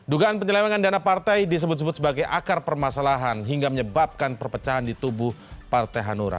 dugaan penyelewengan dana partai disebut sebut sebagai akar permasalahan hingga menyebabkan perpecahan di tubuh partai hanura